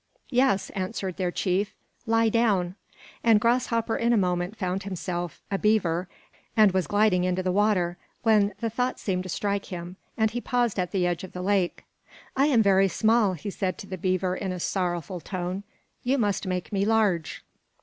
"Yes," answered their chief. "Lie down." And Grasshopper in a moment found himself a beaver, and was gliding into the water, when a thought seemed to strike him, and he paused at the edge of the lake. "I am very small," he said to the beaver in a sorrowful tone. "You must make me large."